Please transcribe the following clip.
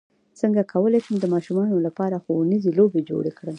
څنګه کولی شم د ماشومانو لپاره ښوونیزې لوبې جوړې کړم